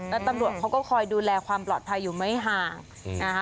แล้วตำรวจเขาก็คอยดูแลความปลอดภัยอยู่ไม่ห่างนะคะ